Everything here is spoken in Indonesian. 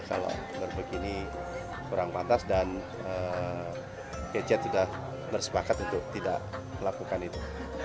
kalau berbikini kurang patas dan vietjet sudah bersepakat untuk tidak melakukan itu